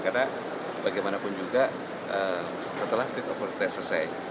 karena bagaimanapun juga setelah fit of order selesai